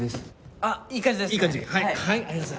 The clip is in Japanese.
あっいい感じですね！